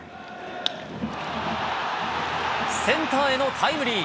センターへのタイムリー。